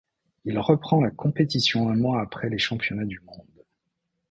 Il reprend la compétition un mois après les Championnats du monde.